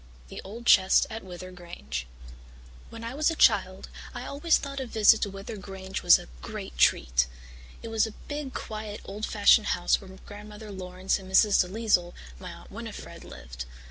The Old Chest at Wyther Grange When I was a child I always thought a visit to Wyther Grange was a great treat. It was a big, quiet, old fashioned house where Grandmother Laurance and Mrs. DeLisle, my Aunt Winnifred, lived.